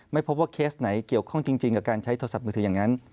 ไม่พบว่าเคสไหนเกี่ยวข้องจริงกับการใช้โทรศัพท์มือถืออย่างนั้น